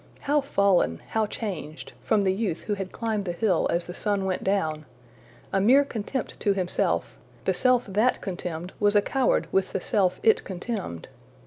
``How fallen, how changed,'' from the youth who had climbed the hill as the sun went down! A mere contempt to himself, the self that contemned was a coward with the self it contemned!